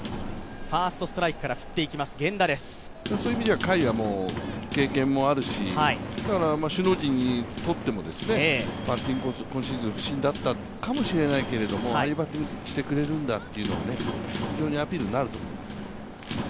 そういう意味では甲斐は経験もあるし、首脳陣にとってもバッティング今シーズンは不振だったかもしれないけどああいうバッティングをしてくれるんだっていうのが非常にアピールになると思う。